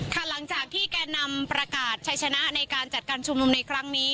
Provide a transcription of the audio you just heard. หลังจากที่แก่นำประกาศใช้ชนะในการจัดการชุมนุมในครั้งนี้